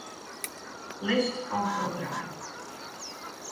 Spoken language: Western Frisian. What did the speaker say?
List fan programma.